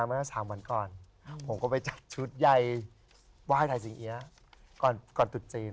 ว่าให้ถ่ายเสียงเอียระก่อนตุบจีน